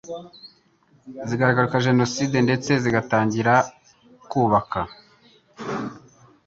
zigahagarika Jenoside ndetse zikanatangira kubaka